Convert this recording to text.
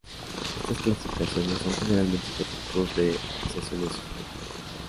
Estas clasificaciones son generalmente productos de apreciaciones subjetivas.